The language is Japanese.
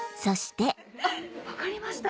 分かりました。